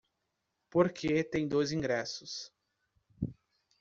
Porque tem dois ingressos